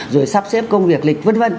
rồi sắp xếp công việc lịch v v